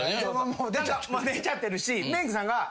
出ちゃってるし。